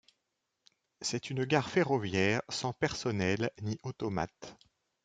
C'est une gare ferroviaire sans personnel ni automate.